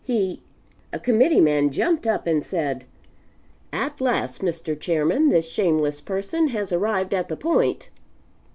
He A Committee man jumped up, and said: "At last, Mr. Chairman, this shameless person has arrived at the point.